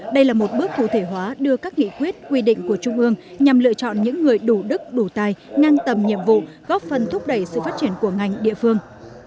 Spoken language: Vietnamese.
đây là một bước cụ thể hóa đưa các nghị quyết quy định của trung ương nhằm lựa chọn những người đủ đức đủ tài ngăn tầm nhiệm vụ góp phần thúc đẩy sự phát triển của ngành địa phương